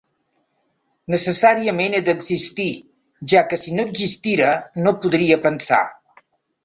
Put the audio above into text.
Necessàriament he d'existir, ja que si no existira, no podria pensar.